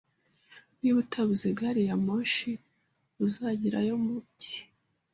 Niba utabuze gari ya moshi, uzagerayo mugihe.